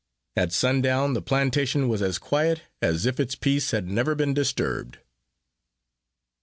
At sundown, the plantation was as quiet as if its peace had never been disturbed.